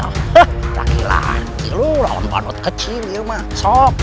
hah nanti nanti lu lawan bandut kecil ya sok